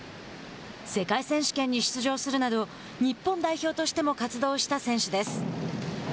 世界選手権に出場するなど日本代表としても活動した選手です。